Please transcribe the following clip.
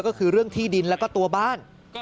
ก็คือเรื่องที่ดินแล้วก็ตัวบ้าน